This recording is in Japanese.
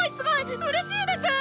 うれしいです！